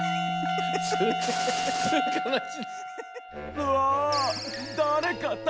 うわ！